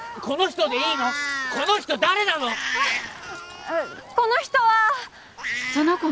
この人誰なの？